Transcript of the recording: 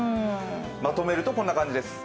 まとめると、こんな感じです。